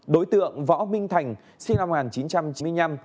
đối tượng võ minh thành sinh năm một nghìn chín trăm chín mươi năm